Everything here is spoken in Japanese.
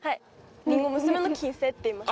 りんご娘の金星っていいます。